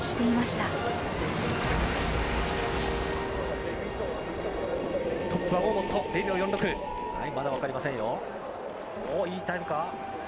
おっ、いいタイムか？